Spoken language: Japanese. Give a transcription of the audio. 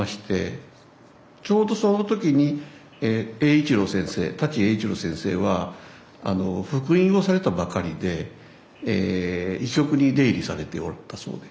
ちょうどその時に栄一郎先生舘栄一郎先生は復員をされたばかりで医局に出入りされておったそうで。